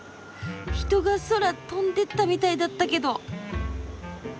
人が空飛んでったみたいだったけど。